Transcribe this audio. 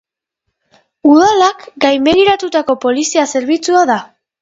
Udalak gainbegiratutako polizia zerbitzua da.